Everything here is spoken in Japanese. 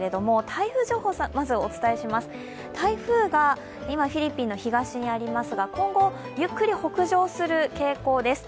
台風が今、フィリピンの東にありますが今後、ゆっくり北上する傾向です。